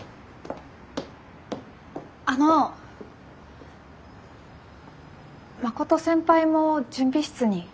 あの真琴先輩も準備室に？